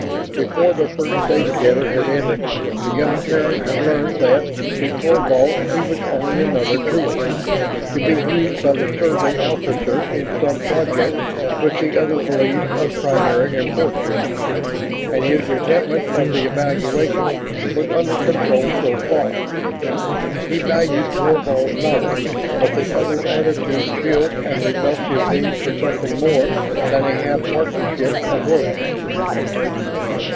Before their first day together had ended, the younger Terran had learned that to Thorvald he was only another tool, to be used by the Survey officer in some project which the other believed of primary importance. And his resentment of the valuation was under control so far. He valued Thorvald's knowledge, but the other's attitude chilled and rebuffed his need for something more than a half partnership of work.